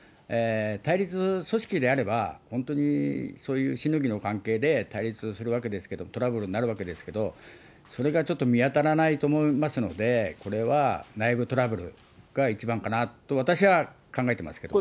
対立組織であれば、本当にそういうしのぎの関係で対立するわけですけれども、トラブルになるわけですけど、それがちょっと見当たらないと思いますので、これは内部トラブルが一番かなと私は考えてますけども。